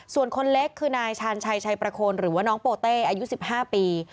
ส่วนคนเล็กคือนายชาญชัยชัยประโคนหรือว่าน้องโปเต้อายุ๑๕ปี